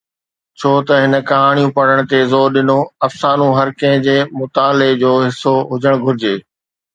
ڇو ته هن ڪهاڻيون پڙهڻ تي زور ڏنو، افسانو هر ڪنهن جي مطالعي جو حصو هجڻ گهرجي؟